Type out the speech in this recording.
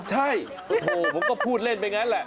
ใช่โอ้โหผมก็พูดเล่นไปงั้นแหละ